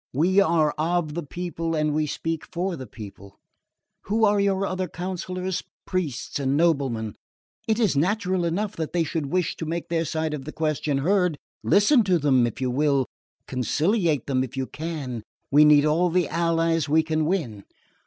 We are of the people and we speak for the people. Who are your other counsellors? Priests and noblemen! It is natural enough that they should wish to make their side of the question heard. Listen to them, if you will conciliate them, if you can! We need all the allies we can win.